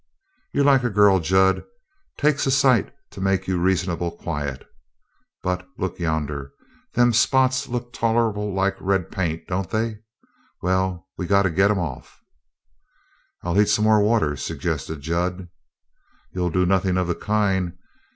"You're like a girl, Jud. Takes a sight to make you reasonable quiet. But look yonder. Them spots look tolerable like red paint, don't they? Well, we got to get 'em off." "I'll heat some more water," suggested Jud. "You do nothing of the kind.